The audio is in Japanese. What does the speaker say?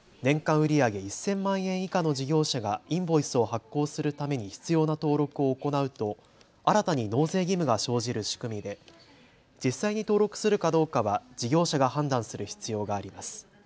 売り上げ１０００万円以下の事業者がインボイスを発行するために必要な登録を行うと新たに納税義務が生じる仕組みで実際に登録するかどうかは事業者が判断する必要があります。